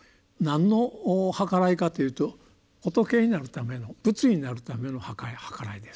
何の「はからい」かというと仏になるための仏になるための「はからい」です。